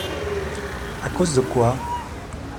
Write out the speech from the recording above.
À cause de quoi ?